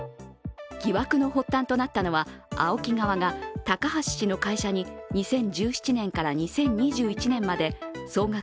疑惑の発端となったのはＡＯＫＩ側が高橋氏の会社に２０１７年から２０２１年まで総額